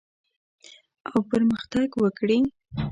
او پرمختګ وکړي